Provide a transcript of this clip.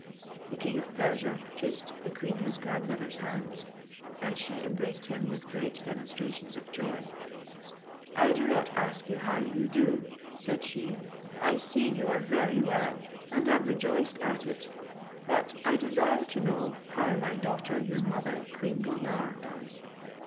The king of Persia kissed the queen his grandmother's hands, and she embraced him with great demonstrations of joy. "I do not ask you how you do," said she, "I see you are very well, and am rejoiced at it; but I desire to know how my daughter your mother Queen Gulnare does."